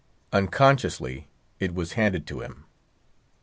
Unconsciously, it was handed to him.